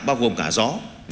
bao gồm cả gió